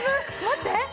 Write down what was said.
待って！